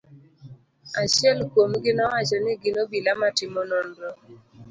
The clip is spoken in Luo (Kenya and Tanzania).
Achiel kuom gi nowacho ni gin obila ma timo nonro.